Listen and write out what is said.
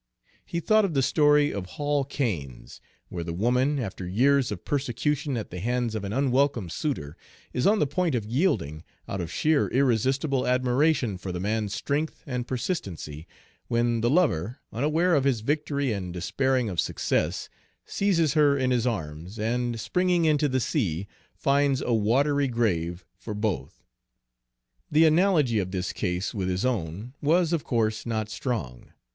He thought of the story of Hall Caine's, where the woman, after years of persecution at the hands of an unwelcome suitor, is on the point of yielding, out of sheer irresistible admiration for the man's strength and persistency, when the lover, unaware of his victory and despairing of success, seizes her in his arms and, springing into the sea, finds a watery grave for both. The analogy of this case with his own was, of course, not strong.